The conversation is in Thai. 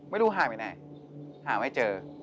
ไม่รู้หายไปไหนหาไม่เจอ